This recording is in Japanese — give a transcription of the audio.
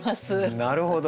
なるほど。